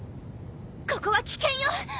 ここは危険よ！